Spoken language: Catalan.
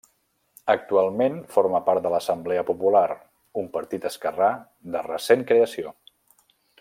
Actualment forma part de l'Assemblea Popular, un partit esquerrà de recent creació.